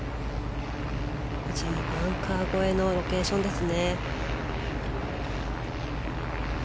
バンカー越えのロケーションですね。